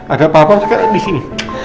ada bapak sekarang di sini